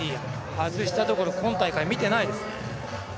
外したところ、今大会見てないですね。